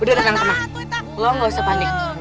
udah tenang tenang lo gak usah panik